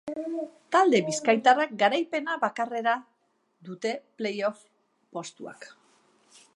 Talde bizkaitarrak garaipena bakarrera dite play-off postuak.